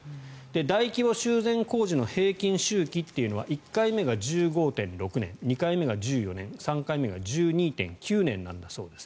大規模修繕工事の平均周期というのは１回目が１５．６年２回目が１４．０年３回目が１２．９年だそうです。